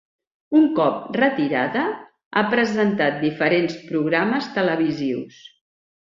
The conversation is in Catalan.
Un cop retirada, ha presentat diferents programes televisius.